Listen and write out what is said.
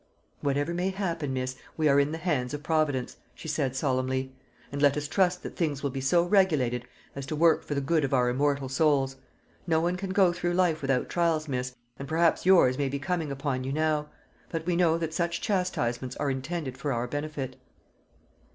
"Whatever may happen, miss, we are in the hands of Providence," she said solemnly; "and let us trust that things will be so regulated as to work for the good of our immortal souls. No one can go through life without trials, miss, and perhaps yours may be coming upon you now; but we know that such chastisements are intended for our benefit."